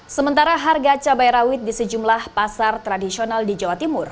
sementara harga cabai rawit di sejumlah pasar tradisional di jawa timur